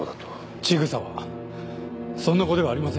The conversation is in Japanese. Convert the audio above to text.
千草はそんな子ではありません。